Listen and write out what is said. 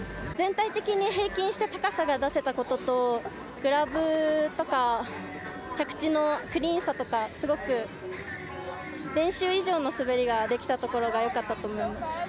全体的に平均して高さが出せたこととグラブとか着地のクリーンさとかすごく練習以上の滑りができたところがよかったと思います。